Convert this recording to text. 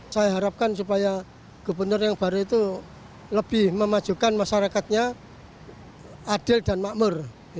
saya harapkan supaya gubernur yang baru itu lebih memajukan masyarakatnya adil dan makmur